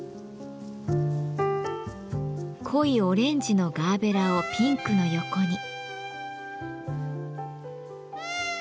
濃いオレンジのガーベラをピンクの横に。